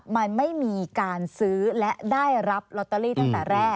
มันไม่มีการซื้อและได้รับลอตเตอรี่ตั้งแต่แรก